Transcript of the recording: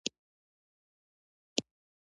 يږ ژمي ته تیاری نیسي.